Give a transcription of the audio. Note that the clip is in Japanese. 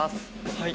はい。